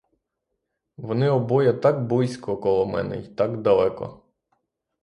Вони обоє так близько коло мене й так далеко!